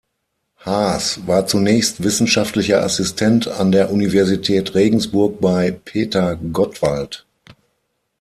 Haas war zunächst Wissenschaftlicher Assistent an der Universität Regensburg bei Peter Gottwald.